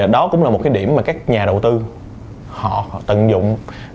đó cũng là một điểm mà các nhà đầu tư tận dụng